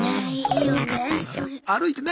歩いてないのよ